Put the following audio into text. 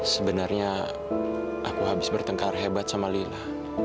sebenarnya aku habis bertengkar hebat sama lila